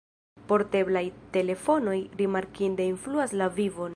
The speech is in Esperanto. Porteblaj telefonoj rimarkinde influas la vivon.